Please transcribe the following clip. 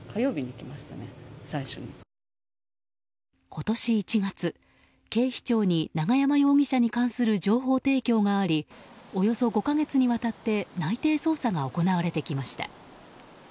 今年１月、警視庁に永山容疑者に関する情報提供がありおよそ５か月にわたって内偵捜査が行われてきました。